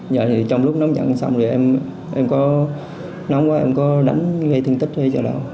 giờ thì trong lúc nóng giận xong rồi em có đánh gây thương tích hay gì đâu